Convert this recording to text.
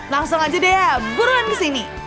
langsung aja deh ya buruan kesini